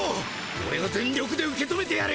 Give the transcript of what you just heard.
オレが全力で受け止めてやる。